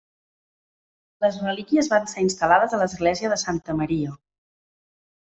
Les relíquies van ser instal·lades a l'església de Santa Maria.